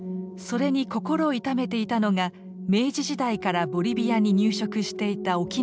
それに心を痛めていたのが明治時代からボリビアに入植していた沖縄の人たち。